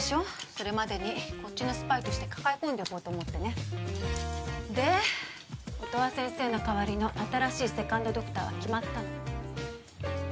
それまでにこっちのスパイとして抱え込んでおこうと思ってねで音羽先生の代わりの新しいセカンドドクターは決まったの？